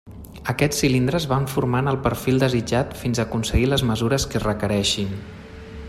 Aquests cilindres van formant el perfil desitjat fins a aconseguir les mesures que es requereixin.